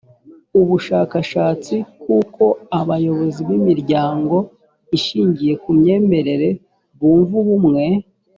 ubushakashatsi k uko abayobozi b imiryango ishingiye ku myemerere bumva ubumwe